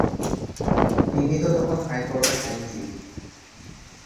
তিনি তো তখন হাইকোর্টের আইনজীবী।